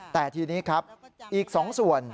แต่ทีนี้ครับอีก๒ส่วน